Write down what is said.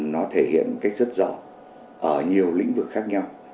nó thể hiện cách rất rõ ở nhiều lĩnh vực khác nhau